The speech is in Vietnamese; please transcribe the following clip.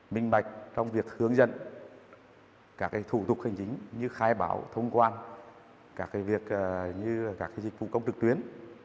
minh bạch trong việc hướng dẫn các thủ tục hành chính như khai báo thông quan các việc như các dịch vụ công trực tuyến